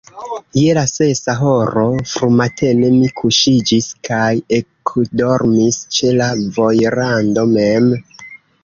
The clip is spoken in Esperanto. Je la sesa horo frumatene mi kuŝiĝis kaj ekdormis ĉe la vojrando mem.